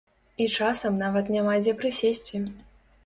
І часам нават няма дзе прысесці.